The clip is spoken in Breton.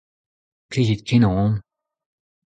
Plijet-kenañ on.